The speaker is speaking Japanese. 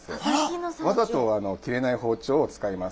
わざと切れない包丁を使います。